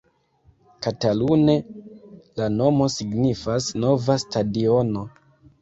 Katalune, la nomo signifas nova stadiono.